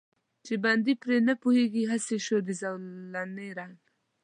چې بندي پرې نه پوهېږي، هسې شو د زولانې رنګ.